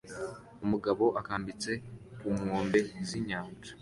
Umugabo akambitse ku nkombe z'inyanja